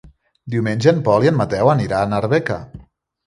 Diumenge en Pol i en Mateu aniran a Arbeca.